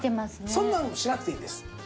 そんなのしなくていいんです。